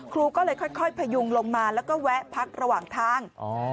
ครูก็เลยค่อยพยุงลงมาแล้วก็แวะพักระหว่างทาง